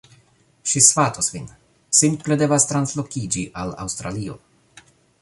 Ŝi svatos vin. Simple devas translokiĝi al Aŭstralio